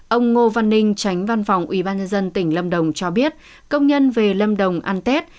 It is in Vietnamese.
ông ngô văn ninh tránh văn phòng ubnd tỉnh lâm đồng cho biết công nhân về lâm đồng ăn tết